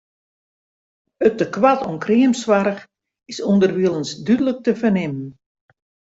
It tekoart oan kreamsoarch is ûnderwilens dúdlik te fernimmen.